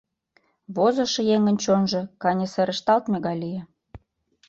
Возышо еҥын чонжо каньысырешталтме гай лие.